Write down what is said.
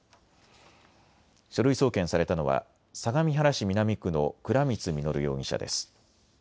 書類送検されたのは相模原市南区の倉光実容疑者です。